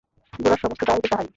গোরার সমস্ত দায় যে তাঁহারই।